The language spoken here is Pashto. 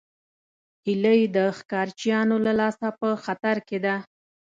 هیلۍ د ښکارچیانو له لاسه په خطر کې ده